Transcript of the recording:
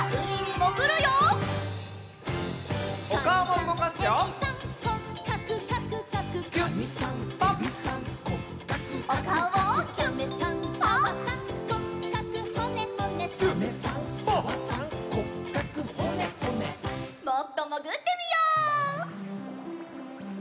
もっともぐってみよう。